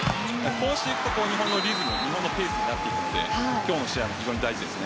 こうしていくと、日本のリズムペースになっていくので今日の試合も非常に大事です。